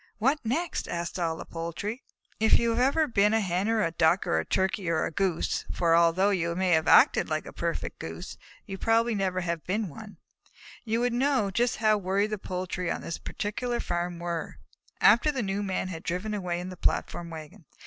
"What next?" asked all the poultry. If you had ever been a Hen or a Duck or a Turkey or a Goose (for although you may have acted like a perfect Goose, you probably never have been one), you would know just how worried the poultry on this particular farm were, after the new Man had driven away in the platform wagon.